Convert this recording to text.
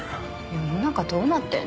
世の中どうなってんの？